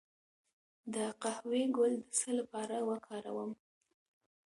د قهوې ګل د څه لپاره وکاروم؟